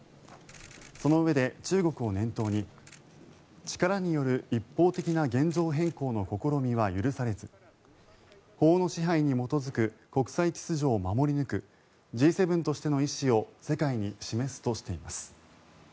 そのうえで中国を念頭に力による一方的な現状変更の試みは許されず、法の支配に基づく国際秩序を守り抜くＧ７としての意思を世界に示すとしています。